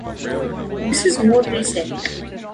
This is more recent.